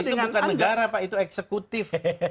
itu bukan negara pak itu eksekutif